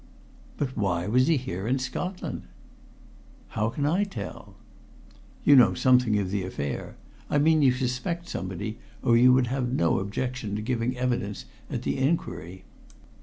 "But why was he here, in Scotland?" "How can I tell?" "You know something of the affair. I mean that you suspect somebody, or you would have no objection to giving evidence at the inquiry."